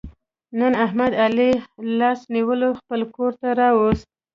نن احمد علي لاس نیولی خپل کورته را وست.